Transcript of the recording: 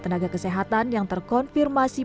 tenaga kesehatan yang terkonfirmasi